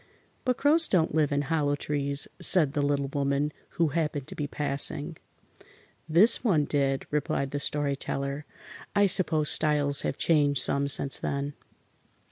"But crows don't live in hollow trees," said the Little Woman, who happened to be passing. "This one did," replied the Story Teller. "I suppose styles have changed some since then."